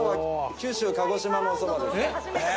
九州鹿児島のおそばです。